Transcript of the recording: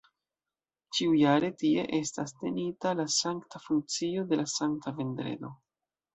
Ĉiujare tie estas tenita la sankta funkcio de la Sankta Vendredo.